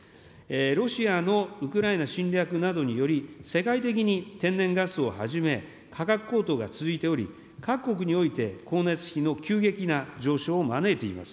ロシアのウクライナ侵略などにより、世界的に天然ガスをはじめ、価格高騰が続いており、各国において光熱費の急激な上昇を招いています。